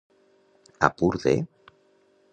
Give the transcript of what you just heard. A pur de.